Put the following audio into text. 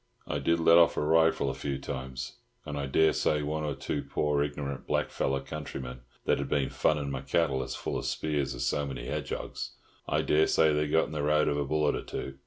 I did let off a rifle a few times, and I dessay one or two poor, ignorant black feller countrymen that had been fun' my cattle as full of spears as so many hedgehogs—I dessay they got in the road of a bullet or two.